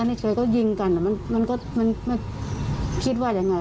ไม่ค่อยเคิลก็ยิงกันมันก็ไม่คิดว่ายังไง